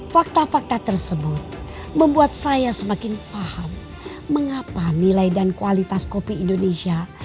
fakta fakta tersebut membuat saya semakin paham mengapa nilai dan kualitas kopi indonesia